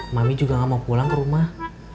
mami juga gak mau pulang ke rumah